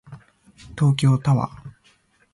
東京タワー